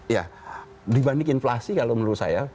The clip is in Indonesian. ya dibanding inflasi kalau menurut saya